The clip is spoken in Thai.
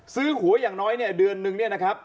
หวยอย่างน้อยเนี่ยเดือนนึงเนี่ยนะครับ